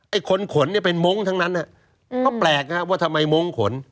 ไอ้คนขนเนี่ยเป็นมงค์ทั้งนั้นอ่ะอืมเพราะแปลกนะครับว่าทำไมมงค์ขน